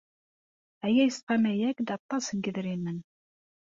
Aya yesqamay-ak-d aṭas n yedrimen.